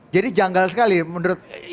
jadi janggal sekali menurut anda ya bung ray